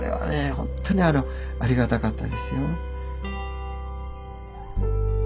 本当にありがたかったですよ。